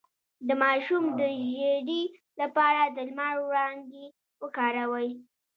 د ماشوم د ژیړي لپاره د لمر وړانګې وکاروئ